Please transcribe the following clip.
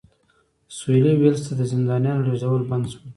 سوېلي ویلز ته د زندانیانو لېږدول بند شول.